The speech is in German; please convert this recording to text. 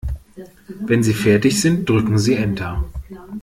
Wenn Sie fertig sind, drücken Sie Enter.